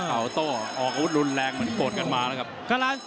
ข่าวโต้ออกกำลังกลุ่นแรงกันมา